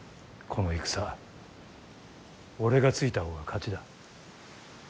この戦俺がついた方が勝ちだ。